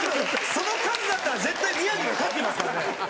その数だったら絶対宮城が勝ってますからね。